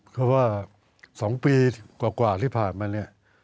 เพราะว่า๒ปีกว่าที่ผ่านมาเนี่ย